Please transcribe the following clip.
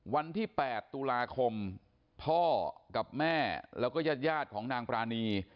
วันที่๘ตุลาคมพ่อกับแม่แล้วก็ญาติของนางปรานี